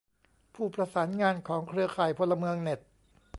ผู้ประสานงานของเครือข่ายพลเมืองเน็ต